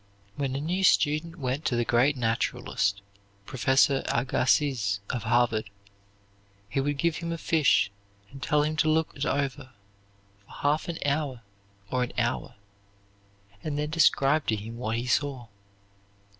When a new student went to the great naturalist, Professor Agassiz of Harvard, he would give him a fish and tell him to look it over for half an hour or an hour, and then describe to him what he saw.